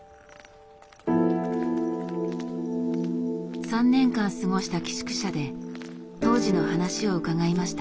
３年間過ごした寄宿舎で当時の話を伺いました。